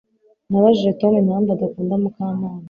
Nabajije Tom impamvu adakunda Mukamana